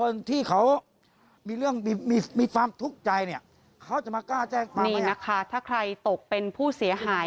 แนะนำ